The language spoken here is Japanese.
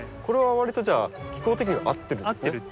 これはわりとじゃあ気候的には合ってるんですね。